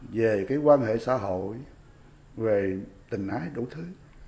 về cái quan hệ xã hội về tình ái đủ thứ